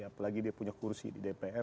apalagi dia punya kursi di dpr